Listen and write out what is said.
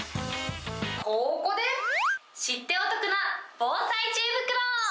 ここで知ってお得な防災知恵袋。